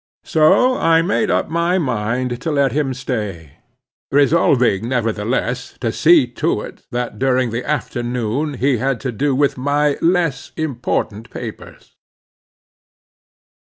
So I made up my mind to let him stay, resolving, nevertheless, to see to it, that during the afternoon he had to do with my less important papers.